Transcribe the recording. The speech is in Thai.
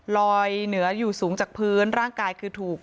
เหนืออยู่สูงจากพื้นร่างกายคือถูก